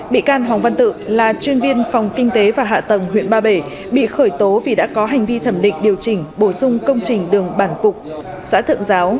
bị can hoàng văn tự là chuyên viên phòng kinh tế và hạ tầng huyện ba bể bị khởi tố vì đã có hành vi thẩm định điều chỉnh bổ sung công trình đường bản phục xã thượng giáo